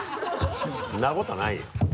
そんなことはないよ。